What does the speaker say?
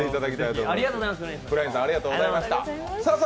ありがとうございます。